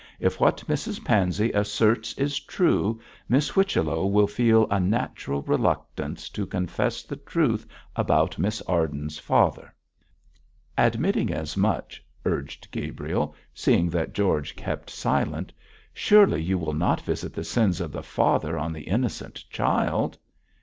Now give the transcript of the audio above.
If what Mrs Pansey asserts is true, Miss Whichello will feel a natural reluctance to confess the truth about Miss Arden's father.' 'Admitting as much,' urged Gabriel, seeing that George kept silent, 'surely you will not visit the sins of the father on the innocent child?'